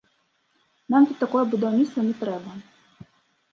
Нам тут такое будаўніцтва не трэба.